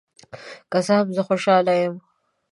که څه هم، زه خوشحال یم.